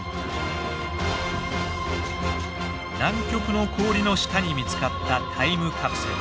南極の氷の下に見つかったタイムカプセル。